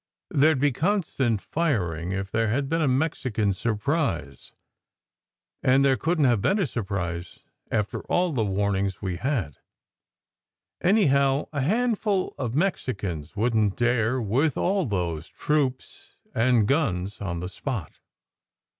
There d be constant firing if there had been a Mexican sur prise. And there couldn t have been a surprise after all the warnings we had. Anyhow, a handful of Mexicans wouldn t dare, with all those troops and guns on the spot."